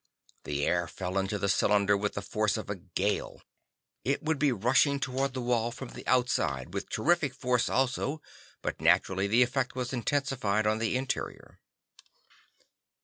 The air fell into the cylinder with the force of a gale. It would be rushing toward the wall from the outside with terrific force also, but, naturally, the effect was intensified on the interior.